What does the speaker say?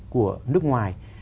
của nước ngoài